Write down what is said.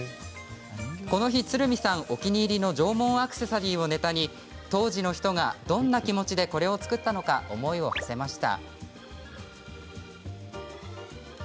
この日は鶴見さんお気に入りの縄文アクセサリーをネタに当時の人がどんな気持ちでこれを作ったのか思いをはせました。